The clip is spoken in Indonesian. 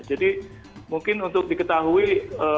jadi mungkin untuk diketahui penting kita tahu yg terbatas dari tepatnya